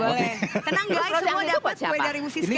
semua dapat dari bu siska